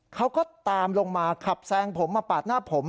เขาก็ตามลงมาขับแซงผมมาปาดหน้าผม